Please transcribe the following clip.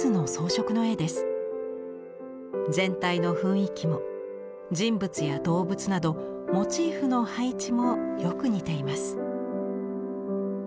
全体の雰囲気も人物や動物などモチーフの配置もよく似ています。